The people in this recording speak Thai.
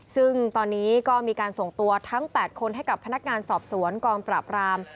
ซึ่งตอนนี้ก็มีการส่งตัวทั้ง๘คนให้กับพนักงานสอบสวนกองปราบราม